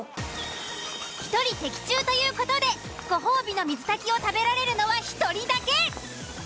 １人的中という事でご褒美の水炊きを食べられるのは１人だけ！